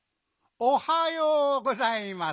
おはようございます。